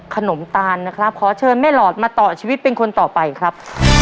ขนมตาลนะครับขอเชิญแม่หลอดมาต่อชีวิตเป็นคนต่อไปครับ